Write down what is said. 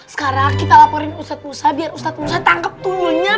sekarang kita laporin ustadz musa biar ustadz musa tangkep tunyonya